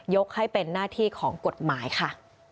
ให้เป็นหน้าที่ของกฎหมายค่ะ